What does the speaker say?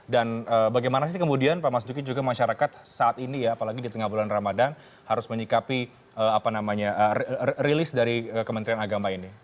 dan bagaimana sih kemudian pak mas duki juga masyarakat saat ini ya apalagi di tengah bulan ramadhan harus menyikapi rilis dari kementerian agama ini